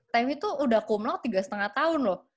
tammy tuh udah kumlaut tiga lima tahun loh